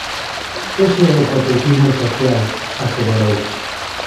"Ese é o patriotismo social", aseverou.